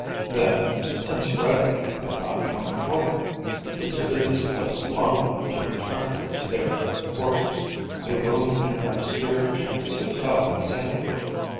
Then, since Bradley had not come for him, he deserted his post long enough to return to their quarters, a room in an obscure Chinese hotel in Singapore.